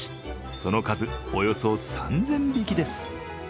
その数、およそ３０００匹です。